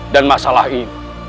dan masalah ini